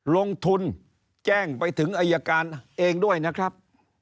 ลงทุนแจ้งไปถึงอายการเองด้วยนะครับ